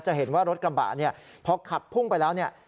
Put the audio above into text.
จะเห็นว่ารถกระบ๋าพอขับพุ่งไปแล้วเนี่ย